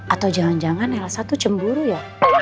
atau jangan jangan elsa tuh cemburu ya